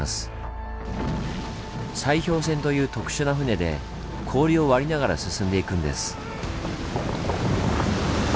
砕氷船という特殊な船で氷を割りながら進んでいくんです。